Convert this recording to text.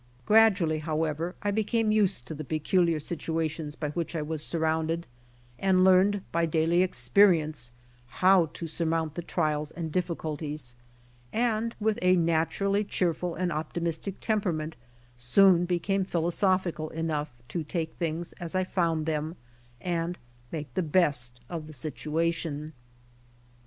Gradually, however, I became used to the peculiar situations by which I was surrounded and learned by daily experience how to surmount the trials and difficulties, and with a naturally cheerful and optimistic temperament soon became philosophi cal enough to take things as I found them and make the best of the situation.